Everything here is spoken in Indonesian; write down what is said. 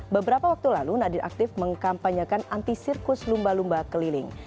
beberapa waktu lalu nadir aktif mengkampanyekan anti sirkus lumba lumba keliling